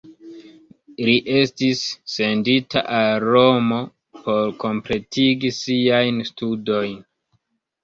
Li estis sendita al Romo por kompletigi siajn studojn.